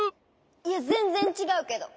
いやぜんぜんちがうけど！